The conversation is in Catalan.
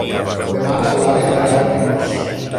Demà n'Eulàlia anirà al Pinós.